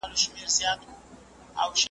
هرات د ابدالیانو په مقابل کې ډېر مقاومت وکړ.